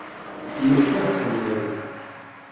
Mmektiɣ-d temẓi-w.